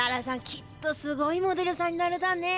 きっとすごいモデルさんになるだね。